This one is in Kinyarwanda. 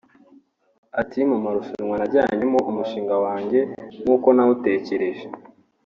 Ati “ Mu marushanwa najyanyemo umushinga wanjye nk’uko nawutekereje